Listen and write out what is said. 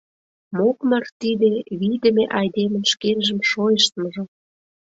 Мокмыр тиде — вийдыме айдемын шкенжым шойыштмыжо.